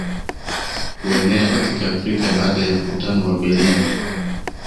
Kuenea katika Afrika baada ya mkutano wa Berlin